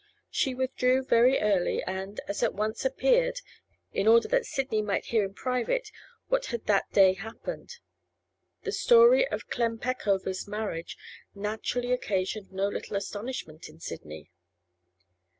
She withdrew very early, and, as at once appeared, in order that Sidney might hear in private what had that day happened. The story of Clem Peckover's marriage naturally occasioned no little astonishment in Sidney.